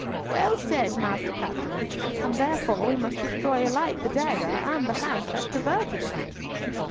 "Well said, Master Captain, and therefore, we must destroy alike the dagger and the hands that perverted it."